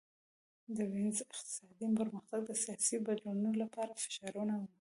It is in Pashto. د وینز اقتصادي پرمختګ د سیاسي بدلونونو لپاره فشارونه وو